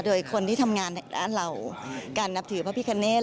โดยคนที่ทำงานด้านเหล่าการนับถือพระพิคเนธ